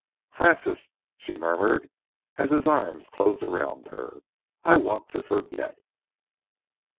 "Francis," she murmured, as his arms closed around her, "I want to forget."